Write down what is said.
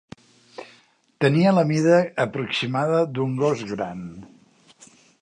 Tenia la mida aproximada d'un gos gran.